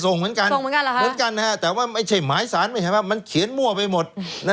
ส่งเหมือนกันแต่ว่าไม่ใช่หมายสารมันเขียนมั่วไปหมด